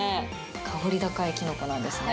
香り高いキノコなんですね。